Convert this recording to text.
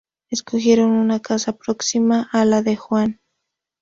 Escogieron una casa próxima a la de Juan.